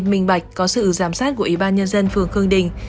minh bạch có sự giám sát của ủy ban nhân dân phường khương đình